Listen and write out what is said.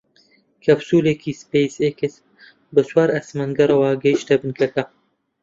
کەپسوولێکی سپەیس ئێکس بە چوار ئاسمانگەڕەوە گەیشتە بنکەکە